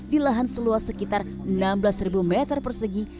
di lahan seluas sekitar enam belas meter persegi